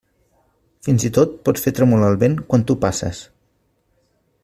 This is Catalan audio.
Fins i tot pots fer tremolar el vent quan tu passes.